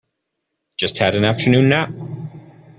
Just had an afternoon nap.